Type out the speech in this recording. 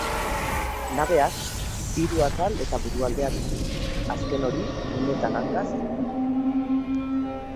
Nabeak hiru atal eta burualdea ditu, azken hori luneta-gangaz egina.